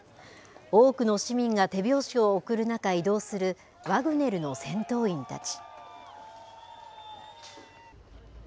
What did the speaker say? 多くの市民が手拍子を送る中、移動するワグネルの戦闘員たち。